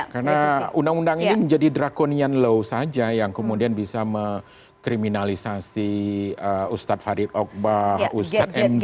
karena undang undang ini menjadi draconian law saja yang kemudian bisa mengkriminalisasi ustadz farid ogbah ustadz mz